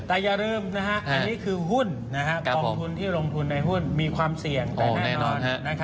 แต่อย่าลืมนะครับอันนี้คือหุ้นนะครับกองทุนที่ลงทุนในหุ้นมีความเสี่ยง